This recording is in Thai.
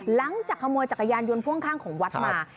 หลังจากขโมยจักรยานยนต์พ่วงข้างของวัดมา